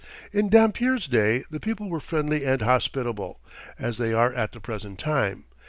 In Dampier's day the people were friendly and hospitable, as they are at the present time.